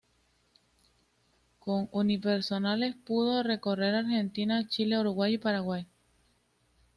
Con sus unipersonales pudo recorrer Argentina, Chile, Uruguay y Paraguay.